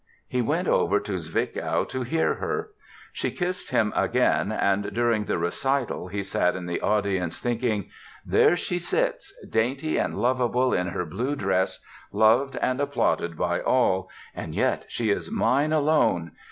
He went over to Zwickau to hear her. She kissed him again and during the recital he sat in the audience thinking: "There she sits, dainty and lovable in her blue dress, loved and applauded by all, and yet she is mine alone.